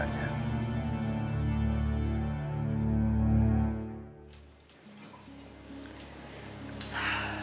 ya ini tidak ada masalah